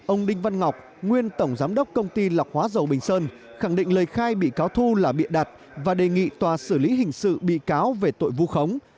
ông đinh văn ngọc nguyên tổng giám đốc công ty lọc hóa dầu bình sơn khẳng định lời khai bị cáo thu là bịa đặt và đề nghị tòa xử lý hình sự bị cáo về tội vu khống